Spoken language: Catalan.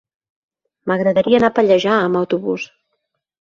M'agradaria anar a Pallejà amb autobús.